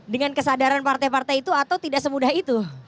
dengan kesadaran partai partai itu atau tidak semudah itu